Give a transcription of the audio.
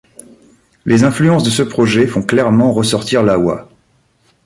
Les influences de ce projet font clairement ressortir la Oi!